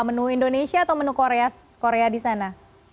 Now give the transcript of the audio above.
menu indonesia atau menu korea di sana